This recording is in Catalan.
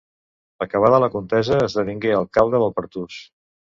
Acabada la contesa, esdevingué alcalde del Pertús.